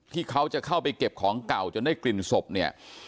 ที่เขาจะเข้าไปเก็บของเก่าจนได้กลิ่นศพเนี่ย